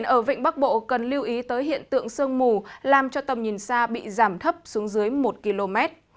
ở vịnh bắc bộ cần lưu ý tới hiện tượng sương mù làm cho tầm nhìn xa bị giảm thấp xuống dưới một km